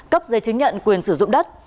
cấp dây chứng nhận quyền sử dụng đất